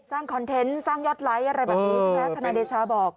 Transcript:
สร้างคอนเทนต์สร้างยอดไลค์อะไรแบบนี้สินะทนายเดชาบอก